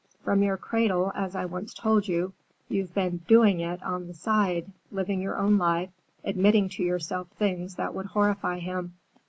From your cradle, as I once told you, you've been 'doing it' on the side, living your own life, admitting to yourself things that would horrify him.